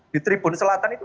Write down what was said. di tribun selatan itu